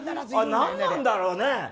あれ、何なんだろうね。